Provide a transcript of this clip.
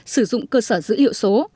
sử dụng cơ sở dữ hiệu số